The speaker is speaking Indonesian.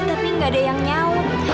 tapi gak ada yang nyau